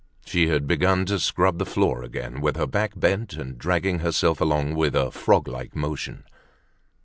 She had begun to scrub the floor again, with her back bent and dragging herself along with a frog like motion.